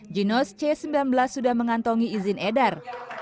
jinos c sembilan belas sudah mengantongi izin edar